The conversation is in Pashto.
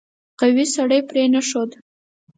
قوي سړی پرې نه ښود.